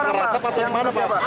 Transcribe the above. yang terasa patut mana pak